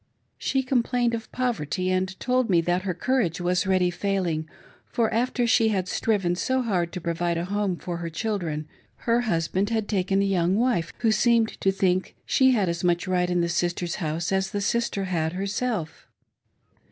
She complained of poverty, and told me that her courage was really failing ; for, after she had striven so hard to provide a home for her children, her husband had taken a young wife, who seemed to think she had as much right in the sister's house as the sister had herself.